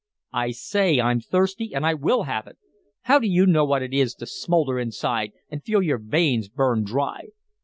"I say I'm thirsty and I will have it! How do you know what it is to smoulder inside, and feel your veins burn dry?"